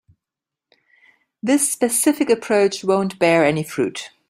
This specific approach won't bear any fruit.